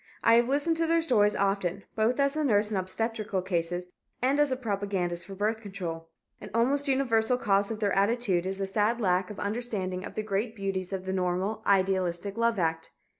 I have listened to their stories often, both as a nurse in obstetrical cases and as a propagandist for birth control. An almost universal cause of their attitude is a sad lack of understanding of the great beauties of the normal, idealistic love act.